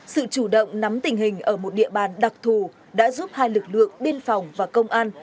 sự chủ động nắm tình hình ở một địa bàn đặc thù đã giúp hai lực lượng biên phòng và công an